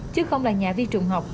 chứ không là nhà vi trùng học